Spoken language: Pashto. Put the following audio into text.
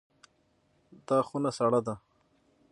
دا خونه سړه ده.